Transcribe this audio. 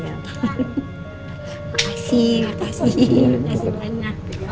makasih makasih banyak